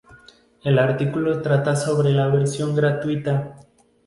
El artículo trata sobre la versión gratuita.